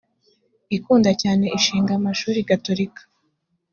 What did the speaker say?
ikunda cyane ishinga amashuri gatolika